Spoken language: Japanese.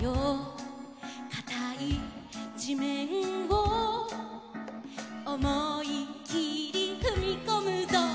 「かたいじめんをおもいきりふみこむぞ」